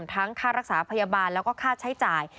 ค่ารักษาพยาบาลแล้วก็ค่าใช้จ่าย